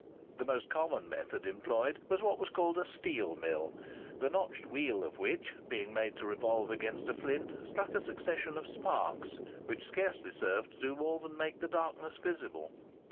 The most common method employed was what was called a steel mill, the notched wheel of which, being made to revolve against a flint, struck a succession of sparks, which scarcely served to do more than make the darkness visible.